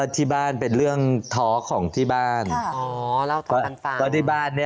ที่บ้านเป็นเรื่องท้อของที่บ้าน